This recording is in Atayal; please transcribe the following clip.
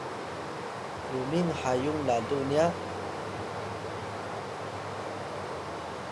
Yuming Hayung lalu nya?